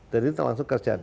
dan ini langsung kerja